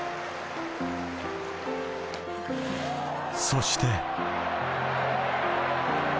［そして］